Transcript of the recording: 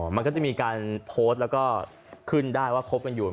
มันก็จะมีการโพสต์แล้วก็ขึ้นได้ว่าคบกันอยู่